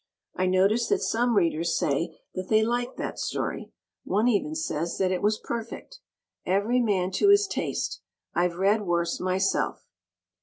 I notice that some Readers say that they liked that story. One even says that it was perfect. Every man to his taste. I've read worse, myself.